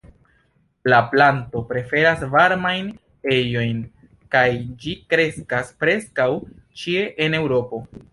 La planto preferas varmajn ejojn kaj ĝi kreskas preskaŭ ĉie en Eŭropo.